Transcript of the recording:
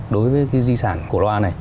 đối với cái di sản cổ loa này